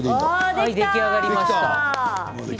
出来上がりました。